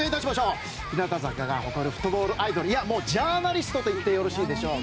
日向坂が誇るフットボールアイドルいや、もうジャーナリストと言ってよろしいでしょう。